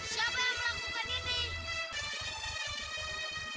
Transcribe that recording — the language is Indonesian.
kamu baik baik disini anak